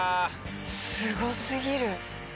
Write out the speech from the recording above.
すごすぎる。